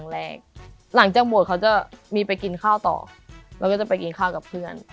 เราก็จะไปกินข้าวกับเพื่อน